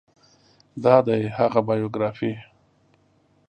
دا دی هغه بایوګرافي